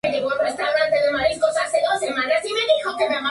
Un puente, con elevadores, enlaza las dos plataformas.